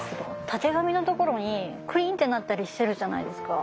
たてがみのところにクリンってなったりしてるじゃないですか。